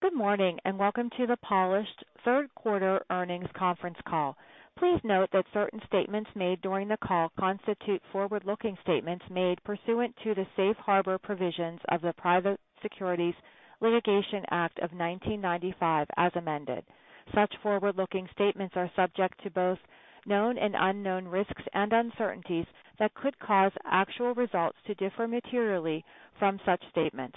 Good morning, and welcome to the Polished third quarter earnings conference call. Please note that certain statements made during the call constitute forward-looking statements made pursuant to the Safe Harbor Provisions of the Private Securities Litigation Reform Act of 1995, as amended. Such forward-looking statements are subject to both known and unknown risks and uncertainties that could cause actual results to differ materially from such statements.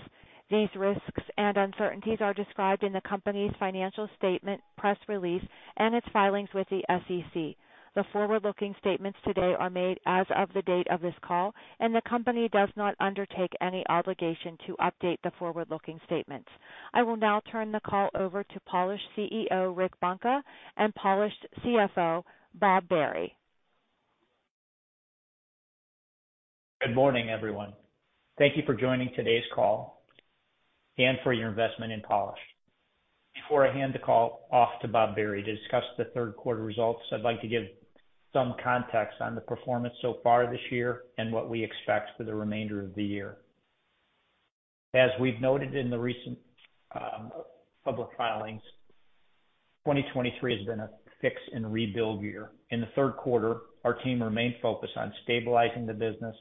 These risks and uncertainties are described in the company's financial statement, press release, and its filings with the SEC. The forward-looking statements today are made as of the date of this call, and the company does not undertake any obligation to update the forward-looking statements. I will now turn the call over to Polished CEO, Rick Bunka, and Polished CFO, Bob Barry. Good morning, everyone. Thank you for joining today's call and for your investment in Polished. Before I hand the call off to Bob Barry to discuss the third quarter results, I'd like to give some context on the performance so far this year and what we expect for the remainder of the year. As we've noted in the recent public filings, 2023 has been a fix and rebuild year. In the third quarter, our team remained focused on stabilizing the business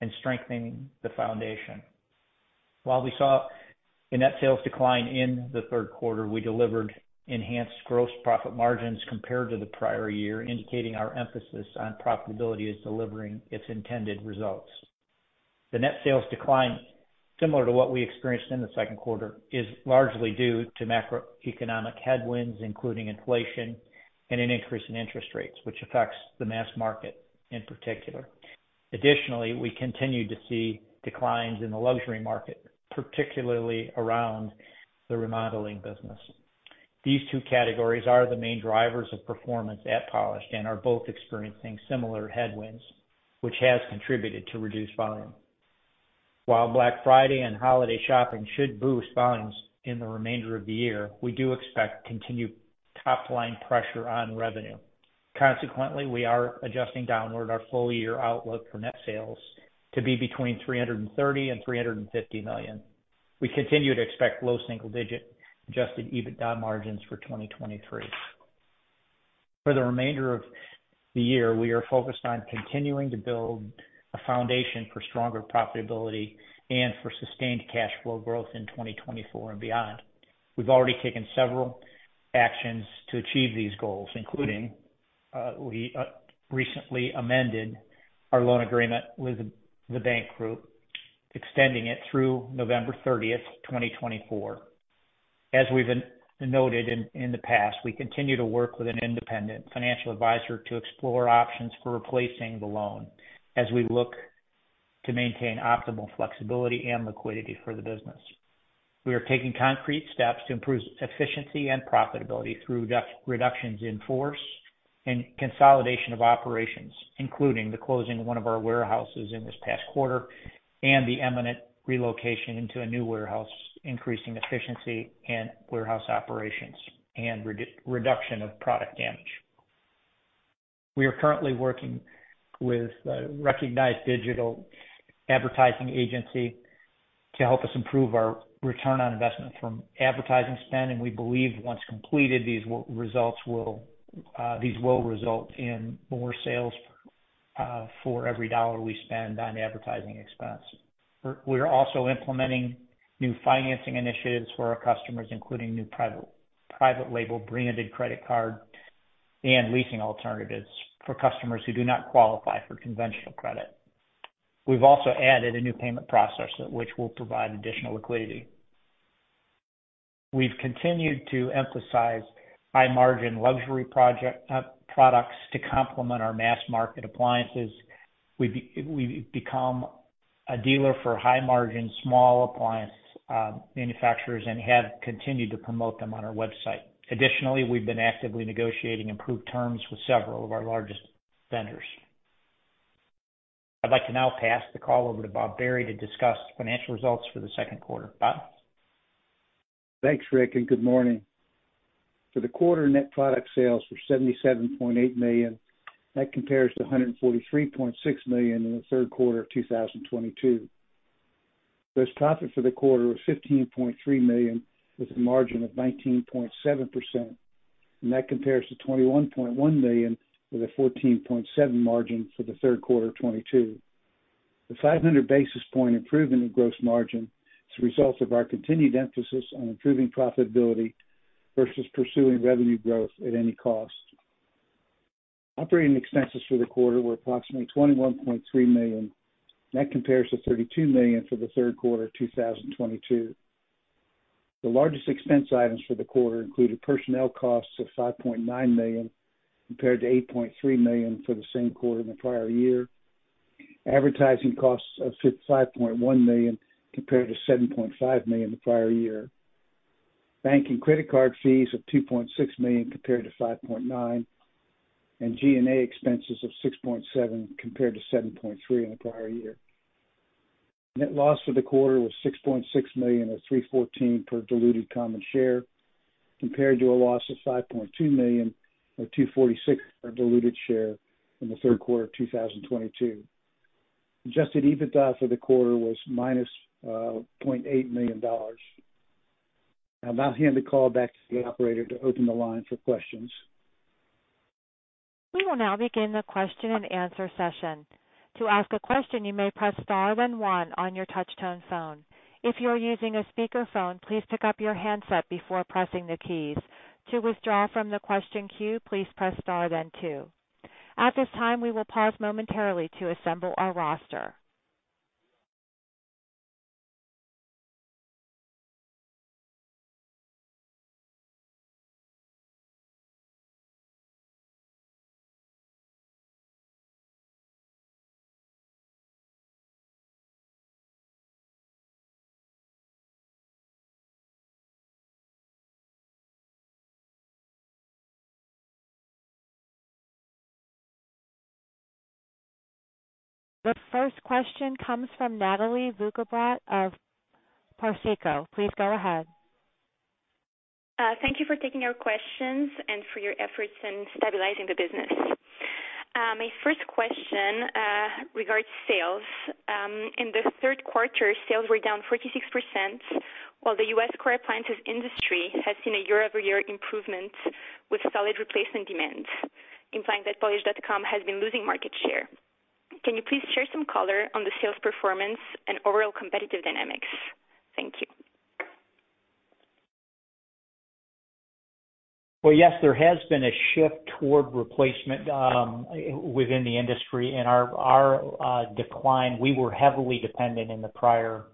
and strengthening the foundation. While we saw a net sales decline in the third quarter, we delivered enhanced gross profit margins compared to the prior year, indicating our emphasis on profitability is delivering its intended results. The net sales decline, similar to what we experienced in the second quarter, is largely due to macroeconomic headwinds, including inflation and an increase in interest rates, which affects the mass market in particular. Additionally, we continue to see declines in the luxury market, particularly around the remodeling business. These two categories are the main drivers of performance at Polished and are both experiencing similar headwinds, which has contributed to reduced volume. While Black Friday and holiday shopping should boost volumes in the remainder of the year, we do expect continued top-line pressure on revenue. Consequently, we are adjusting downward our full-year outlook for net sales to be between $330 million and $350 million. We continue to expect low single-digit Adjusted EBITDA margins for 2023. For the remainder of the year, we are focused on continuing to build a foundation for stronger profitability and for sustained cash flow growth in 2024 and beyond. We've already taken several actions to achieve these goals, including, recently amended our loan agreement with the bank group, extending it through November thirtieth, 2024. As we've noted in the past, we continue to work with an independent financial advisor to explore options for replacing the loan as we look to maintain optimal flexibility and liquidity for the business. We are taking concrete steps to improve efficiency and profitability through reductions in force and consolidation of operations, including the closing of one of our warehouses in this past quarter and the imminent relocation into a new warehouse, increasing efficiency in warehouse operations and reduction of product damage. We are currently working with a recognized digital advertising agency to help us improve our return on investment from advertising spend, and we believe once completed, these results will, these will result in more sales, for every dollar we spend on advertising expense. We're also implementing new financing initiatives for our customers, including new private label, branded credit card and leasing alternatives for customers who do not qualify for conventional credit. We've also added a new payment processor, which will provide additional liquidity. We've continued to emphasize high-margin luxury project products to complement our mass-market appliances. We've become a dealer for high-margin, small appliance manufacturers and have continued to promote them on our website. Additionally, we've been actively negotiating improved terms with several of our largest vendors. I'd like to now pass the call over to Bob Barry to discuss financial results for the second quarter. Bob? Thanks, Rick, and good morning. For the quarter, net product sales were $77.8 million. That compares to $143.6 million in the third quarter of 2022. Gross profit for the quarter was $15.3 million, with a margin of 19.7%, and that compares to $21.1 million with a 14.7% margin for the third quarter of 2022. The 500 basis point improvement in gross margin is a result of our continued emphasis on improving profitability versus pursuing revenue growth at any cost. Operating expenses for the quarter were approximately $21.3 million, and that compares to $32 million for the third quarter of 2022. The largest expense items for the quarter included personnel costs of $5.9 million, compared to $8.3 million for the same quarter in the prior year. Advertising costs of $5.1 million, compared to $7.5 million the prior year. Bank and credit card fees of $2.6 million, compared to $5.9 million, and G&A expenses of $6.7 million, compared to $7.3 million in the prior year. Net loss for the quarter was $6.6 million, or $0.314 per diluted common share, compared to a loss of $5.2 million, or $0.246 per diluted share in the third quarter of 2022. ...Adjusted EBITDA for the quarter was -$0.8 million. I'll now hand the call back to the Operator to open the line for questions. We will now begin the question and answer session. To ask a question, you may press star then one on your touchtone phone. If you are using a speakerphone, please pick up your handset before pressing the keys. To withdraw from the question queue, please press star then two. At this time, we will pause momentarily to assemble our roster. The first question comes from Natalie Wukebrot of Parsico. Please go ahead. Thank you for taking our questions and for your efforts in stabilizing the business. My first question regards sales. In the third quarter, sales were down 46%, while the U.S. core appliances industry has seen a year-over-year improvement with solid replacement demand, implying that Polished.com has been losing market share. Can you please share some color on the sales performance and overall competitive dynamics? Thank you. Well, yes, there has been a shift toward replacement within the industry and our decline. We were heavily dependent in the prior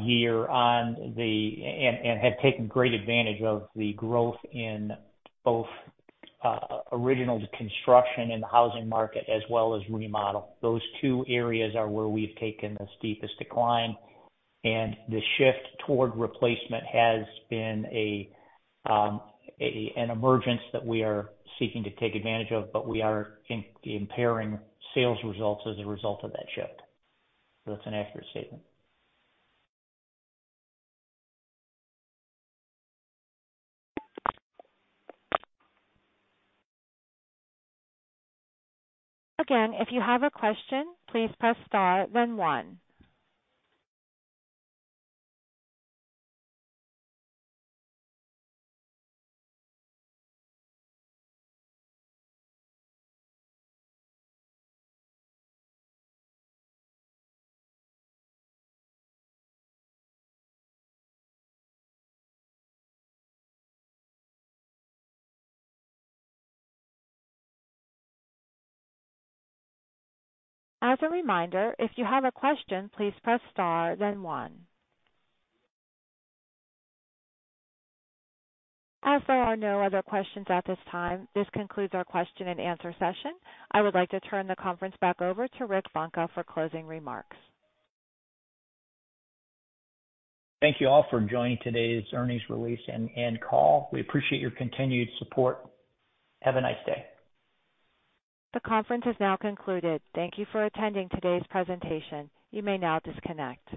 year on, and had taken great advantage of the growth in both original construction in the housing market as well as remodel. Those two areas are where we've taken the steepest decline, and the shift toward replacement has been an emergence that we are seeking to take advantage of, but we are impairing sales results as a result of that shift. So that's an accurate statement. Again, if you have a question, please press star then one. As a reminder, if you have a question, please press star then one. As there are no other questions at this time, this concludes our question and answer session. I would like to turn the conference back over to Rick Bunka for closing remarks. Thank you all for joining today's earnings release and call. We appreciate your continued support. Have a nice day. The conference has now concluded. Thank you for attending today's presentation. You may now disconnect.